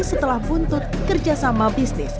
setelah buntut kerjasama bisnis